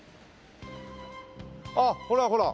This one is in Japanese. あっほらほら。